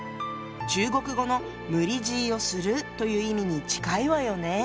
中国語の「無理強いをする」という意味に近いわよね。